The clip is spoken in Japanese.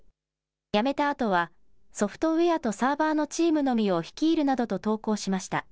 辞めたあとは、ソフトウエアとサーバーのチームのみを率いるなどと投稿しました。